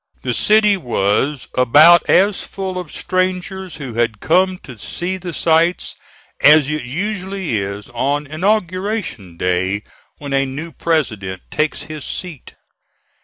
The city was about as full of strangers who had come to see the sights as it usually is on inauguration day when a new President takes his seat.